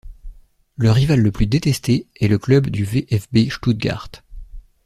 Le rival le plus détesté est le club du VfB Stuttgart.